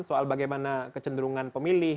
soal bagaimana kecenderungan pemilih